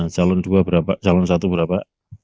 calon dua berapa calon satu berapa